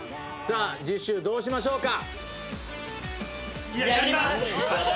次週どうしましょうか？